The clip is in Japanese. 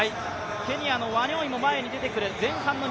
ケニアのワニョンイも前に出てくる。